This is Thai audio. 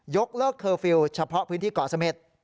ยกเลิกเคอร์ฟิลล์เฉพาะพื้นที่เกาะเสม็ด